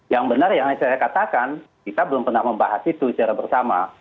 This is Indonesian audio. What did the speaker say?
yang benar yang saya katakan kita belum pernah membahas itu secara bersama